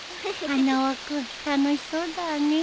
花輪君楽しそうだね。